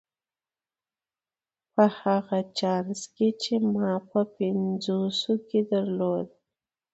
په هغه چانس کې چې ما په پنځوسو کې درلود.